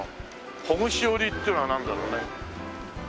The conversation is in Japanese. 「ほぐし織り」っていうのはなんだろうね？